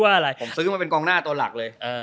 อะไรผมซื้อมาเป็นกองหน้าตัวหลักเลย